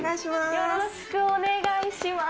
よろしくお願いします。